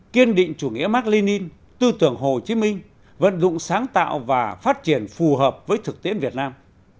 kiên định chủ nghĩa mark lenin tư tưởng hồ chí minh vận dụng sáng tạo và phát triển phù hợp với thực tiễn việt nam